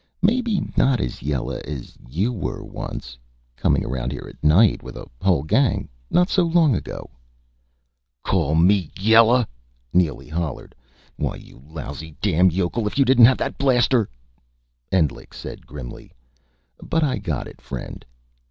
"Maybe not as yella as you were once coming around here at night with a whole gang, not so long ago " "Call me yella?" Nelly hollered. "Why, you lousy damn yokel, if you didn't have that blaster " Endlich said grimly, "But I got it, friend!"